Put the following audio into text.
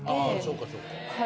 そうかそうか。